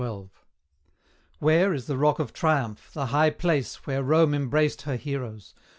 Where is the rock of Triumph, the high place Where Rome embraced her heroes?